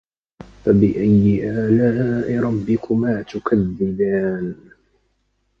فَبِأَيِّ آلاء رَبِّكُمَا تُكَذِّبَانِ